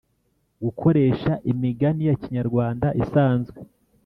gukoresha imigani ya kinyarwanda isanzwe